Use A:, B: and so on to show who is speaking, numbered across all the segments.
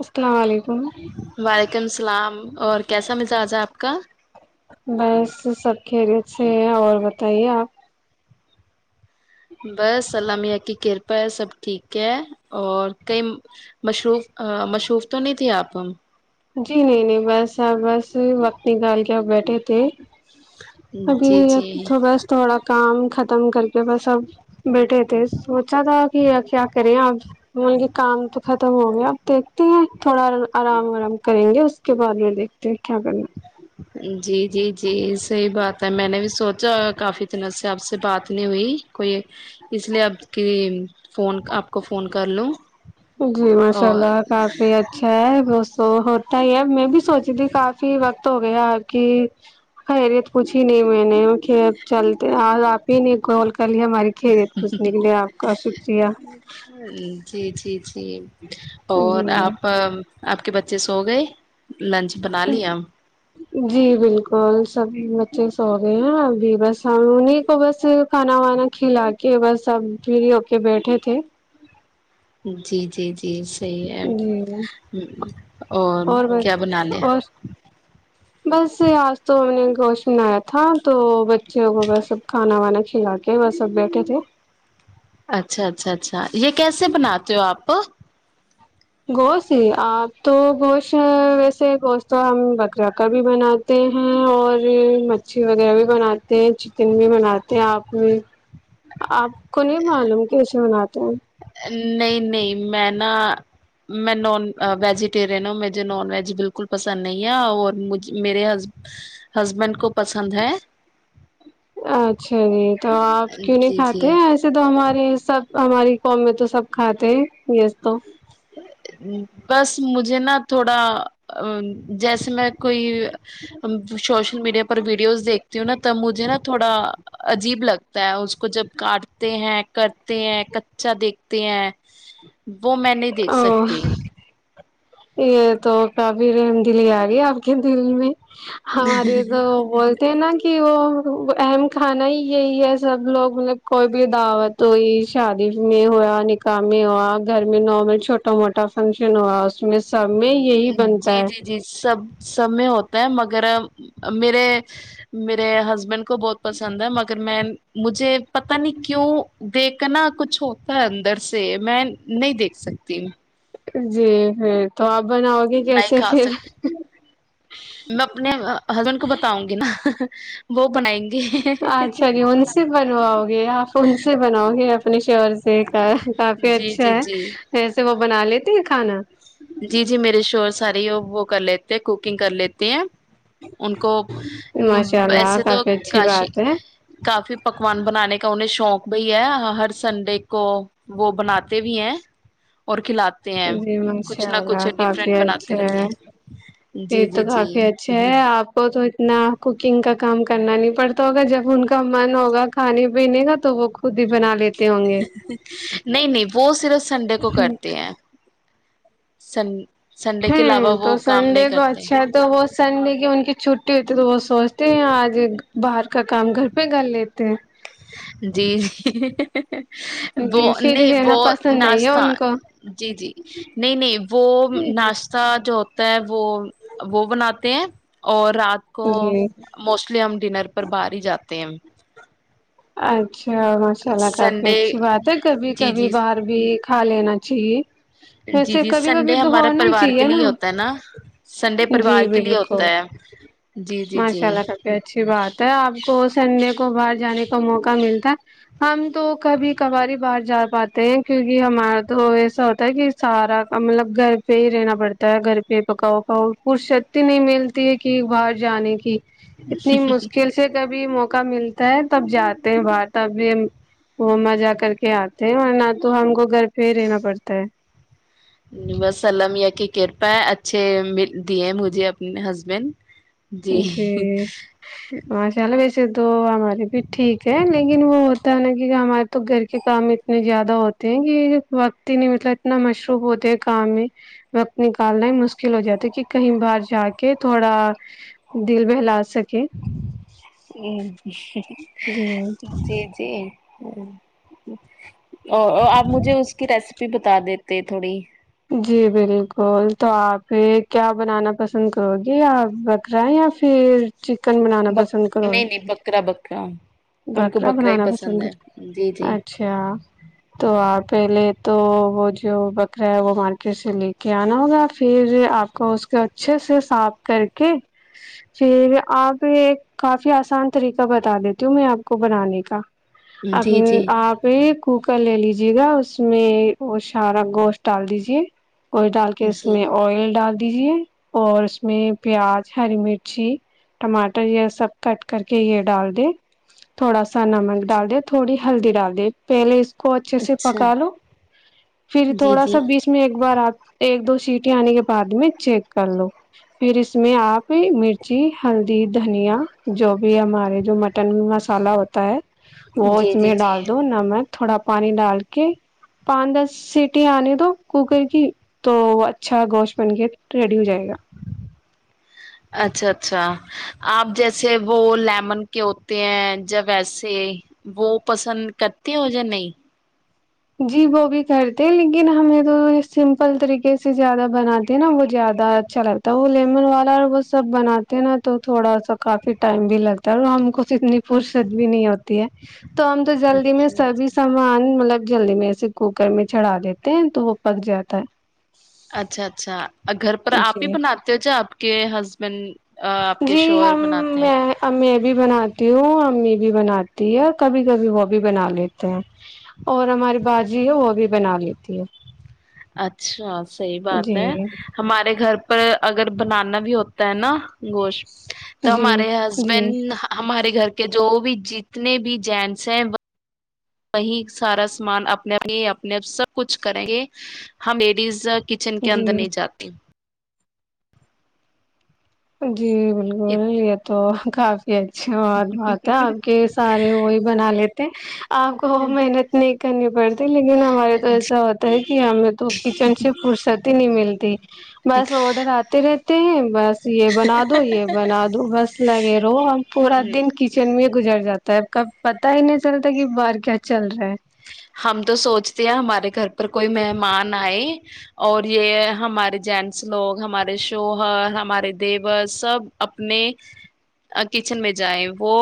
A: السلام علیکم
B: وعلیکم السلام اور کیسا مزاج ہے آپ کا
A: بس سب خریت سےح ہے اور بتائیے آپ
B: بس سلامیہ کی کرپا ہے سب ٹھیک ہے اور کئی مصروف مشروف تو نہیں تھھی آپ متم
A: جی نہیں نہیں بس آپ بس وقت نکال کے اپ بیٹھے تھے ابھی
B: جی جی
A: تو بس تھوڑا کام ختم کر کے بس اب بیٹھے تھے سوچا تھا کہ کیا کریں اب مطل کے کام تو ختم ہو گیا آپ دیکھتے ہیں تھوڑا آرام ورام کریں گے اس کے بعد میں دیکھتے ہیں کیا کرنا
B: جی جی جی صحیح بات ہے میں نے بھی سوچا کافی طرح سے آپ سے بات نہیں ہوئی کوئی اس لیے آپ کی فون آپ کو فون کر لوں
A: جی ماشاء
B: اور
A: اللہ کافی اچھا ہے وہ ت یہب میں بھی سوچی تھی کافی وقت ہو گیا آپ کی خیریت پوچھھی نہیں میں نے کہ اب چل آ آپ ہی نے کال کر لی ہماری خیریت پوچھنے کے لیے آپ کا شکریہ
B: جی جی جی اور
A: جی
B: آپ آپ کے بچے سو گئے لنچ بنا لییا
A: جی بالکل سب بچے سو گئے ہیں ابھی بس ہم انہیں کو بس کھانا وانا کھلا کے بس اب پھر ہو کے بیٹھے تھے
B: جی جی جی صی ہے
A: جی
B: اور کیا بنا
A: بس
B: لیا
A: اور گوش میںنیا تھا تو ب [unintelligible] ج وا سب کانا وانا [unintelligible] کھلا کے وہ سب بیٹھے تھے [unintelligible]
B: اچھا اچھا اچھا یہ کیسے بناتے ہو آپ
A: گوشت ہی آپ تو گوشت ویسے گوشت تو ہم بکرا کا بھی بناتے ہیں اور مچھی وغیرہ بھی بناتے ہیں چکن بھی بناتے ہیں آپ آپ کو نہیں معلوم کی ایسے بناتے ہیں
B: نہیں نہیں میں نا میں نان ویجیٹیرین ہوں مجھے نان ویج بالکل پسند نہیں ہے اورج میرے ہسبینڈ کو پسند ہے
A: اچھا جی تو آپ کیوں نہیں
B: جی
A: کھاتے
B: جی
A: ایسے تو ہمارے سب ہماری میں تو سب کھاتے ہیں یس تو
B: بس مجھے نا تھوڑا جیسے میں کوئی ہم سوشل میڈیا پر ویڈیوز دیکھتے ا ت مجھے نا تھوڑا عجیب لگتا ہے اس کو جب کاٹتے ہیں کرتے ہیں کچا دیکھتے ہیں وہ میں نے [unintelligible] دیکھ
A: اوہ
B: سکتے [unintelligible]
A: یہ تو کبیر دلی آ گی آپ کے دل میں ہاں ارے تو بولتے ہیں نا کہ وہ اہم کھانا ہی یہی ہے سب لوگ مطلب کوئی بھی دعوت ہوئی شادی میں ہوا نکاح میں ہوا گھر میں نارمل چھوٹا موٹا فنکشن ہوا اس [unintelligible] میں یہی
B: جی
A: بنتا
B: جی جی سب سب میں ہوتا ہے مگر [unintelligible] اگر میرے میرے ہسبینڈ کو بہت پسند ہے مگر میں مجھے پتا نہیں کیوں دیکھنا کچھ ہوتا ہے اندر سے میں نہیں دیکھ سکتی ہ [unintelligible]
A: جی ہ تو آپ [unintelligible] گے
B: نہیں
A: کیسے
B: کھا
A: پھر
B: سکتی میں اپنے ہسبینڈ کو بتاؤں گی نا [unintelligible] وہ بنائیں گے [unintelligible]
A: اچھا جی ان سے بنواؤ گے آپ ان سے بناؤ گے آ اپنے شور سے کا کافی
B: جی
A: اچھا
B: جی
A: ہے
B: جی
A: اییسے وہ بنا لیتے [unintelligible] کھانا [unintelligible]
B: جی جی میرے شور ساری وہ وہ کر لیتے ہیں کوکنگ کر لیتے ہیں [unintelligible] ان کو
A: ماشاء اللہ
B: وسے تو
A: کافی اچھی
B: کاشی
A: بات ہے
B: کافی پکوان بنانے کا انہیں شوق بھیھ ہے ہر سنڈے کو وہ بناتے بھی ہیں اور کھلاتے [unintelligible] تے ہیں [unintelligible]
A: شءلہ
B: کچھ
A: کافی
B: ڈفرینٹ بناتے
A: اچھا
B: رہتے
A: ہے
B: ہیں
A: یہ
B: جی جی
A: تو
B: جی
A: کافی اچھے ہے آپ [unintelligible] وہ تو اتنا کوکنگ کا کام کرنا نہیں پڑتا ہوگا جب ان کا من ہوگا کھانے پینے کا تو وہ خود ہی بنا لیتا [unintelligible]
B: نہیں نہیں وہ صرف سے [unintelligible] سنڈے کو کرتے ہیں [unintelligible] سن [unintelligible] کے
A: ہوں
B: علاوہ وہ
A: تو
B: کام نہیں
A: سنڈے کو
B: کرتے
A: اچھا ہے تو وہ سنڈے کی ان کی چھٹی ہوتی ہے تو وہ سوچتے ہیں آج باہر کا کام گھر پہ کر لیتے ہیں [inaudible]
B: جی جی [inaudible] وہ
A: جی پھر
B: نہیں
A: رہنا
B: وہ
A: پسند نہیں ہے
B: ناشہ
A: ان کو
B: جی جی نہیں نہیں وہ ناشہ جو [unintelligible] تب [unintelligible] وہ وہ بنات [inaudible] اور [inaudible] رات کو
A: جی
B: موسٹلی ہم ڈنر پر باہر ہی جاتے [inaudible]
A: [inaudible] اچھا اور ماشاء اللہ کافی
B: سنڈے
A: اچھی بات ہے کبھی
B: جی
A: کبھی
B: جی
A: باہر بھی کھا لینا جی [unintelligible]
B: جی جی سنڈے ہمارے پریوار کے لیے ہوتا ہے نا سنڈے پریوار
A: جی
B: کے لیے ہوتا
A: بالکل
B: ہے جی جی جی
A: ماشاء اللہ کافی اچھی بات آپ کو سنڈے کو باہر جانے کو موقع ملتا ہے ہم تو کبھی کباری باہ جا پاتے ہیں کیونکہ ہمارا تو ایسا ہوتا ہے کہ سارا مطلب گھر پہ ہی رہنا پڑتا ہے گھر پہ پکاؤ پکاؤ پرصتی نہیں ملتی ہے کہ باہر جانے کی اتنی مشکل سے کبھی موقع کا ملتا ہے تب جاتے ہیں بر تب بھی وہاں جا کر کے آتے ہیں اور نہ تو ہم کو گھر پہ ہی رہنا پڑتا ہے
B: بس الام کی کرپا ہے اچھے دیے مجھے اپنے ہسبینڈ
A: جی ماشاء اللہ ویسے تو ہمارے بھی ٹھیک ہے لیکن وہ ہے نا کہ ہمارے تو گھر کے کام اتنے زیادہ ہوتے ہیں کہ وقت ہی نہیں مطلب اتنا مشروف ہوتے ہیں کام میں وقت نکالنا ہی مشکل ہو جاتا ہے کہ کہیں باہر جا کے تھوڑا دل بہلاو سکے
B: [inaudible]
A: جی
B: جی جی ہوں او آپ مجھے اس کی ریسیپی بھی بتا دیتے تھوڑی
A: جی بالکل تو آپ کیا بنانا پسند کرو گے آپ بکرا یا پھر چکن بنانا
B: بک
A: پسند کرو
B: نہیں نہیں بکرا بکرا ان کو
A: بکرا
B: ہی
A: بنانا پسند
B: ہے
A: کرو
B: جی جی
A: اچھا تو آپ پہلے تو وہ جو ب وہ مارکیٹ سے لے کے آنا ہوگا پھر آپ کو اس کو اچھے سے صاف کر کے پھر آپ ایک کافی آسان طریقہ بتا دیتی ہوں میں آپ کو بنانے کا اب
B: جی جی
A: آپ کوکر لے لیجیے جیے گا اس میں وہ سارا گوشت ڈال دیجے کوئی ڈال کے اس
B: جی
A: میں آئل ڈال دیجیے اور اس میں پیاز ہری مرچی ٹماٹر یہ سب کٹ کر کے یہ ڈال دے تھوڑا سا نمک ڈال دے تھوڑی ہلدی ڈال د پہلے کو اچھے سے
B: اچھا
A: پکا لو پھر
B: جی
A: تھوڑا سا
B: جی
A: سب بیچ میں ایک بار آپ ایک دو چیٹی آنے کے بعد میں چیک کر لو پھر اس میں آپ مرچی ہلدی دھنیا جو بھی ہمارے جو مٹن مسالہ ہوتا ہے وہ
B: جی
A: اس میں
B: جی جی
A: ڈال دو نمک تھوڑا پانی ڈال کے پان دس سیٹی آنے تو کوکر کی تو وہ اچھا گوشت بن کے ریڈی ہو جائے گا
B: اچھا اچھا آپ جیسے وہ لیمن کے ہوتے ہیں جیا ویسے وہ پسند کرتے ہو یا نہیں
A: جی وہ بھی کرتے لیکن ہمیں تو سمپل طریقے سے زیادہ بناتے ہیں نا وہ زیادہ اچھا لگتا ہے وہ لیمن والا اور وہ سب بناتے ہیں نا تو تھوڑا سا کافی ٹائم بھی لگتا ہے اور ہم کو اتنی فرصت بھی نہیں ہوتی تو ہم تو جلدی میں سبھی سامان مطلب جلدی میں ایے کوکر میں چڑھا دیتے ہیں تو وہ پک جاتا ہے
B: اچھا اچھا گھر پر آپ ہی
A: جی
B: بناتے ہو چاہ آپ کے ہسبینڈ آپ کے
A: جی
B: شور
A: ہم
B: بناتے ہیں
A: میں میں بھی بناتی ہوں امی بھی بناتی ہے کبھی کبھی وہ بھی بنا لیتے ہیں اور ہماری باجی ہے وہ بھی بنا لیتی ہے
B: اچھا صحیح بات
A: جی
B: ہے ہمارے گھر پر اگر بنانا بھی ہوتا ہے نا گوشت تو
A: جی
B: ہمارے
A: جی
B: ہسبینڈ ہمارے گھر کے جو بھی جتنے بھی جینٹس ہیں وہیں سارا سامان اپنے اپنے سب کچھ کریں گے ہم لیڈیز کچن کے اندر
A: جی
B: نہیں جاتی
A: ہ [inaudible] جی بالکل یہ تو کف [inaudible] یہ اچھا بات بات ہے آپ کے سارے وہی بنا لیتے کہ [inaudible] آپ کو محنت نہیں کرنی پڑتی لیکن ہمارے تو ایسا ہوتا ہے کہ ہمیں تو کچن سے فرصتی ہی نہیں ملتی ج [inaudible] بس آڈر آتے رہے ہیں بس یہ بنا دو یہ بنا دو بس لگے رہو ہم پورا دن کچن میں گزر جاتا تو اب کاب پتا ہی نہیں چلتا کہ بار کیا چل رہا ہے
B: ہم تو سوچتے ہیں ہمارے گھر پر کوئی مہمان آئے اور یہ ہمارے جینٹس لوگ ہمارے شوہر ہمارے دیوس سب اپنے کچن میں جائے وہ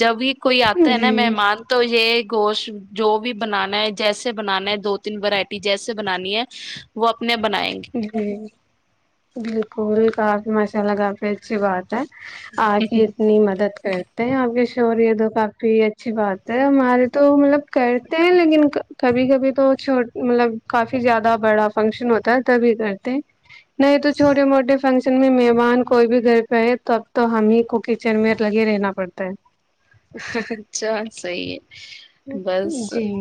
B: جب ہی کوئی آتا ہے نا ممان تو یہ گوش [inaudible] جو بھی بنانا ہے جیسے بنانا ہے دو تین ورائٹی جیسے بنانی ہے وہ اپتنے بنائیں گے
A: جی بالکل کافی مشاءلہ کاافی اچھی بات آپ ہی اتنی مدد کرتے ہیں آپ کے شور تو کافی اچھی بات ہے ہمارے تو مطلب کرتے ہیں لیکن کبھی کبھی تو چھو مطلب کافی زیادہ بڑا فنکشن ہوتا ہوتا تبھی کرتے نہیں تو چھوے موٹے فنکشن میں مہمان کوئی بھی گھر پہ آئے تو اب تو ہم ہی کو کچن میں لگے رہنا پڑتا ہے
B: اچھا صحی ہے
A: ہے
B: بس
A: جی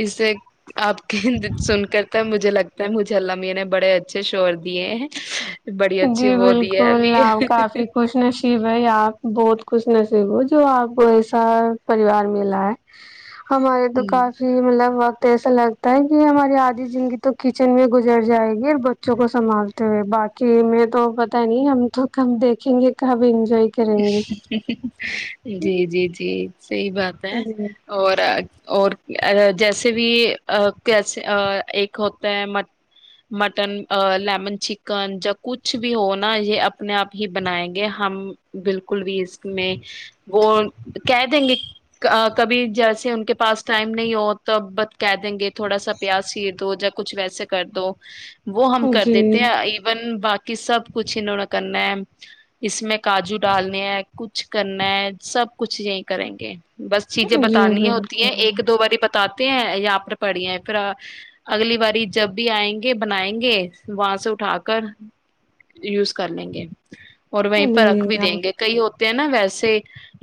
B: اسے آپ کے سن کرتا مجھے لگتا میں مج الامی نے بڑے اچھے شور دیے ہیں بڑی اچھی
A: جی
B: وہ دی ہے
A: بالکل آپ کافی خوش نصیب ہے آپ بہت خوش نصیب وہ جو آپ کو ایسا پریوار ملا ہے ہمارے تو
B: ابھی
A: کافی مطلب تو ایسا لگتا ہے کہ ہماری آدھی زندگی تو کچن میں گزر جائے گی اور بچوں کو سنبھالتے ہوئے بات کہ میں تو پتا نہیں ہم تو کب دیکھیں گے کب انجوائے کریں گے
B: جی جی جی صحی بات ہے اور اور جیسے بھی کیسے ایک ہوتا ہے مٹن لیمن چکن جیا کچھ بھی ہو نا یہ اپنے آپ ہی بنائیں گے ہم بالکل بھی اس میں وہ کہ دیں گے کبھی جیسے ان کے پاس ٹائم نہیں ہو تو بت کہ دیں گے تھوڑا سا پیاس سیر دو یا کچھ ویسے کر دو وہ ہم کر
A: جی جی
B: دیتے ہیں ایون باقی سب کچھ انہوں نے کرنا ہے اس میں کاجو ڈالنے ہے کچھ کرنا ہے سب کچھ یہی کریں گے بس چیزیں
A: جی
B: بتانی ہوتی ہیں
A: بالکل
B: ایک دو باری پتا بتاتے ہیں یہاں پر پڑی ہیں پھر اگلی باری جب بھی آئیں گے بنیں گے وہاں سے اٹھا کر یوز کر لیں گے اور وئیپ [unintelligible] پرکھ
A: جی
B: بھی
A: آپ
B: دیں گے کئی ہوتے ہیں نا ویسے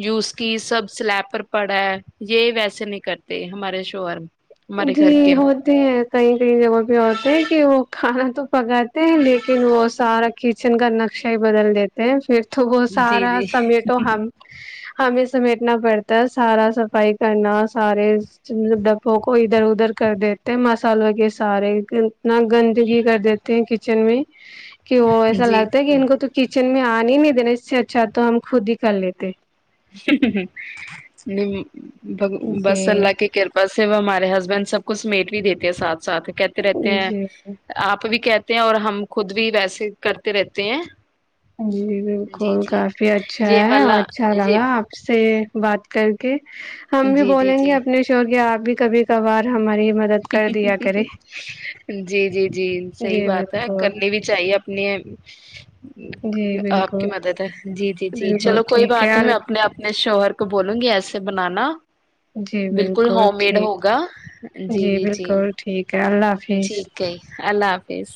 B: یوز کی سب سلیب پر پڑا ہے یہ ویسے نہیں کرتے ہمارے شوہر ہمارے
A: جی
B: گھر کے
A: ہوتے ہیں کئی کئی جگہ بھی ہوتے ہیں کہ وہ کھانا تو پکاتے ہیں لیکن وہ سارا کچن کا نقشہ ہی بدل دیتے ہیں پھر تو وہت سارا سمیٹو ہم ہمیں سمیٹنا پڑتا ہے سارا صفائی کرنا سارے ڈبوں ادھر ادھر کر دیتے ہیں مسالہغ سارے گنا گندگی کر دیتے ہیں کچن میں کی وہوس سا
B: جی
A: آگتا ہے
B: جی
A: گن گو کچ میں آنے ہی نہیں دینا اس سے اچھا تو ہم خود ہی کر لیتے
B: ب بس
A: جی
B: اللہ کی کرپا سے وہ ہمارے ہسبینڈ سب ک کو سمیٹ بھی دیتے ہیں ساتھ سات کہتے رہتے ہیں
A: جی
B: آپ بھی کہ اور ہم خود بھی ویسے کرتے رہتے ہیں
A: جی
B: جی
A: بالکل
B: جی
A: کافی اچھا
B: یہ
A: ہے اور
B: والا
A: اچھا
B: یہ
A: لگا آپ سے [unintelligible] بات کر کے ہم بھی
B: جی جی
A: بولیں گے
B: جی
A: اپنے شور کے آپ بھی کبھی کبھار [unintelligible] مدد کر دیا کرے
B: جی جی جی صحی
A: جی
B: بات ہے
A: بالکل
B: کرنی بھی چاہیے اپنی
A: جی
B: آپ کی
A: بالکل
B: مدد ہے جی جی جی
A: بالکل
B: چلو کوئی
A: ٹھیک ہے
B: بات نہیں
A: اللہ
B: میں اپنے اپنے شوہر تو بولوں گی ایسے بنانا
A: جی
B: بالکل ہوم میڈ
A: ٹھیک
B: ہوگا
A: جی بالکل ٹھیک ہے اللہ حافظ
B: ٹھیک ہے اللہ حافظ